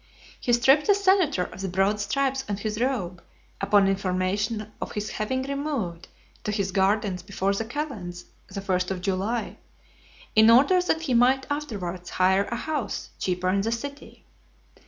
He stripped a senator of the broad stripes on his robe, upon information of his having removed to his gardens before the calends [the first] of July, in order that he might afterwards hire a house cheaper in the city.